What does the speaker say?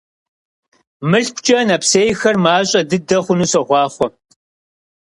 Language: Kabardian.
МылъкукӀэ нэпсейхэр мащӀэ дыдэ хъуну сохъуахъуэ!